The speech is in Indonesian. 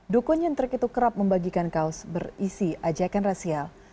dukun nyentrik itu kerap membagikan kaos berisi ajakan rasial